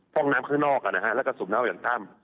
ห้องน้ำข้างนอกแล้วก็สูบน้ำออกจากถ้ำ